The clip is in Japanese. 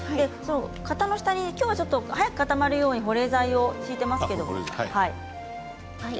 型の下にきょうは早く固まるように保冷剤を敷いています。